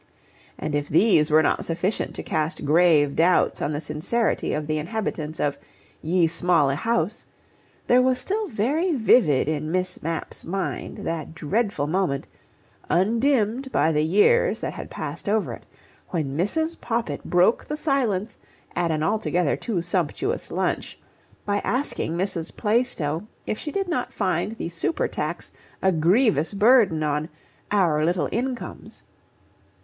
And if these were not sufficient to cast grave doubts on the sincerity of the inhabitants of "Ye Smalle House", there was still very vivid in Miss Mapp's mind that dreadful moment, undimmed by the years that had passed over it, when Mrs. Poppit broke the silence at an altogether too sumptuous lunch by asking Mrs. Plaistow if she did not find the super tax a grievous burden on "our little incomes".